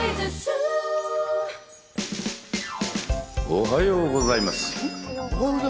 おはようございます。